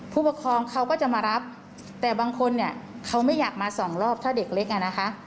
ผู้ปกครองเขาก็จะมารับแต่บางคนเนี่ยเขาไม่อยากมาสองรอบถ้าเด็กเล็กอ่ะนะคะ